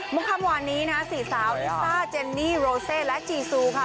คำหวานนี้นะฮะสี่สาวลิซ่าเจนนี่โรเซและจีซูค่ะ